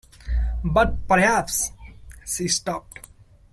"But perhaps —" She stopped.